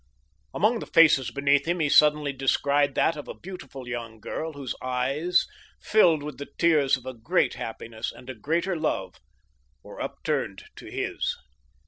Among the faces beneath him he suddenly descried that of a beautiful young girl whose eyes, filled with the tears of a great happiness and a greater love, were upturned to his.